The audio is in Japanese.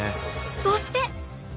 そして。